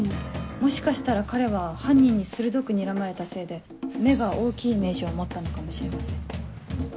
もしかしたら彼は犯人に鋭くにらまれたせいで目が大きいイメージを持ったのかもしれません。